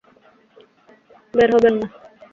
বের হবেন না।